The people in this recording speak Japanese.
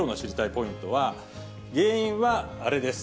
ポイントは、原因はあれです。